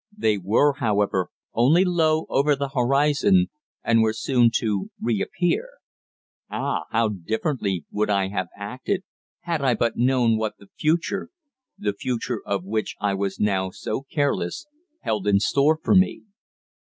They were, however, only low over the horizon, and were soon to reappear. Ah! how differently would I have acted had I but known what the future the future of which I was now so careless held in store for me!